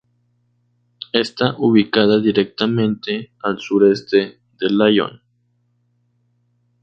Está ubicada directamente al sureste de Lyon.